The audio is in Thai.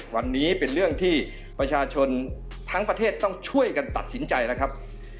วันนี้เป็นเรื่องที่ประชาชนทั้งประเทศต้องช่วยกันตัดสินใจแล้วครับ